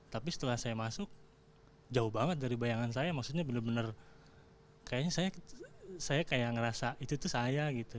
tapi setelah saya masuk jauh banget dari bayangan saya maksudnya bener bener kayaknya saya kayak ngerasa itu tuh saya gitu